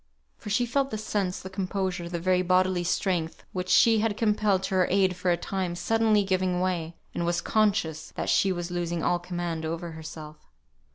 For she felt the sense, the composure, the very bodily strength which she had compelled to her aid for a time, suddenly giving way, and was conscious that she was losing all command over herself.